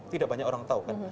tidak banyak orang tahu kan